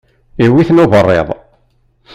Iwwi-ten uberriḍ.